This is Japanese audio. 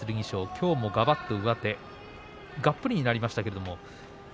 きょうもがばっと上手がっぷりになりました。